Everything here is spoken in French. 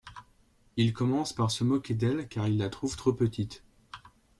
Il commence par se moquer d'elle car il la trouve trop petite.